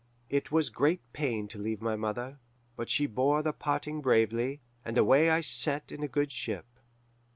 "It was great pain to leave my mother, but she bore the parting bravely, and away I set in a good ship.